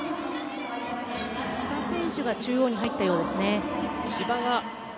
千葉選手が中央に入ったようですね。